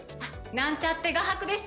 なんちゃって画伯です